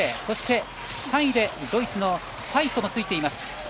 そして、３位でドイツのファイストもついています。